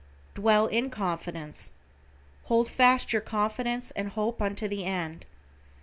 "Dwell in confidence." "Hold fast your confidence and hope unto the end."